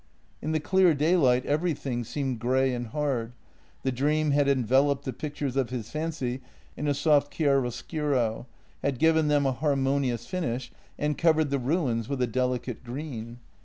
In the clear daylight everything seemed grey and hard, the dream had enveloped the pictures of his fancy in a soft chiaroscuro, had given them a harmonious finish, and covered the ruins with a delicate green.